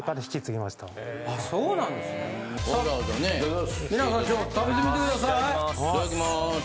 いただきます。